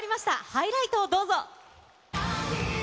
ハイライトをどうぞ。